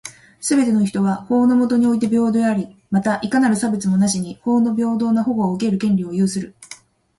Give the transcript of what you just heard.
すべての人は、法の下において平等であり、また、いかなる差別もなしに法の平等な保護を受ける権利を有する。